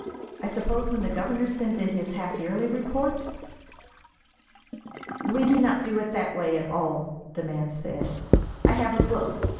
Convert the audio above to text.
I suppose when the governor sends in his half yearly report?" "We do not do it that way at all," the man said. "I have a book.